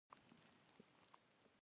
موږ به سمدستي ورشو او هلته به لاړ شو